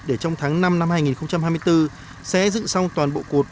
để trong tháng năm năm hai nghìn hai mươi bốn sẽ dựng xong toàn bộ cột